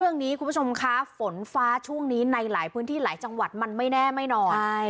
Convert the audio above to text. คุณผู้ชมคะฝนฟ้าช่วงนี้ในหลายพื้นที่หลายจังหวัดมันไม่แน่ไม่นอนใช่